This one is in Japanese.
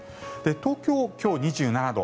東京、今日、２７度。